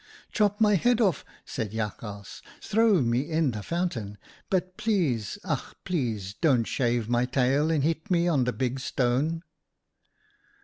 "■ Chop my head off,' said Jakhals ;* throw me in the fountain, but please, ach! please don't shave my tail and hit me on the big stone.'